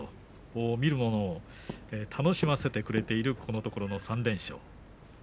見る者を楽しませてくれているこのところの３連勝。